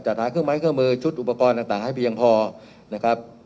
หาเครื่องไม้เครื่องมือชุดอุปกรณ์ต่างให้เพียงพอนะครับ